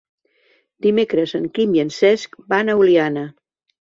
Dimecres en Quim i en Cesc van a Oliana.